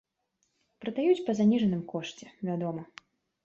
Прадаюць па заніжаным кошце, вядома.